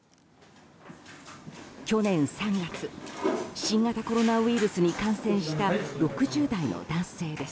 去年３月新型コロナウイルスに感染した６０代の男性です。